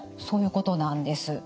そういうことなんです。